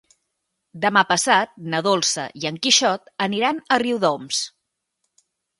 Demà passat na Dolça i en Quixot aniran a Riudoms.